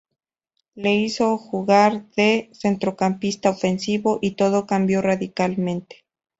Le hizo jugar de centrocampista ofensivo y todo cambió radicalmente.